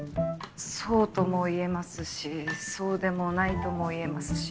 そうとも言えますしそうでもないとも言えますし。